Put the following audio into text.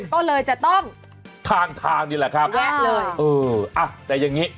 ก็เลยจะต้องทางทางนี่แหละครับแวะเลยเอออ่ะแต่อย่างงี้